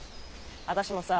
私もさ